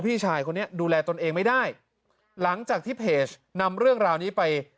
พี่ชายคนนี้ดูแลตนเองไม่ได้หลังจากที่เพจนำเรื่องราวนี้ไป